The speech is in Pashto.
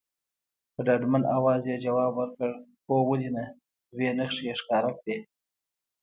په ډاډمن اواز یې ځواب ورکړ، هو ولې نه، دوې نښې یې ښکاره کړې.